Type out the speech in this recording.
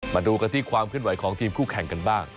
มาดูกันที่ความเคลื่อนไหวของทีมคู่แข่งกันบ้าง